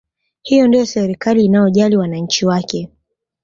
Hiyo ndiyo serikali inayojali wananchi wake